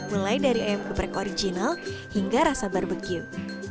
mulai dari ayam geprek original hingga rasa barbecue